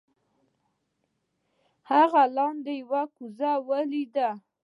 هغه لاندې یو کوزه ولیده.